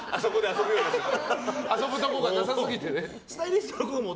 遊ぶところがなさすぎてね。